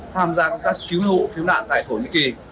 tham gia công tác cứu hộ cứu nạn tại thổ nhĩ kỳ